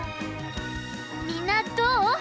みんなどう？